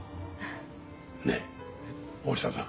ねえ大下さん。